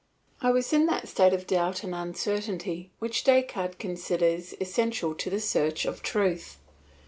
I was in that state of doubt and uncertainty which Descartes considers essential to the search for truth.